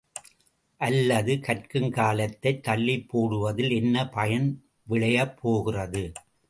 அல்லது கற்கும் காலத்தைத் தள்ளிப் போடுவதில் என்ன பயன் விளையப்போகிறது?